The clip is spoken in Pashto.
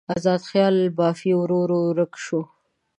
ازاده خیال بافي ورو ورو ورکه شوه.